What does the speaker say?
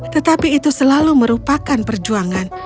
tetapi itu selalu merupakan perjuangan